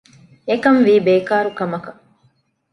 އެކަންވީ ބޭކާރު ކަމަކަށް